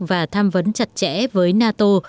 và tham vấn chặt chẽ với nato